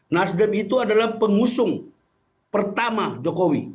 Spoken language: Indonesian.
nasdem itu adalah pengusung pertama jokowi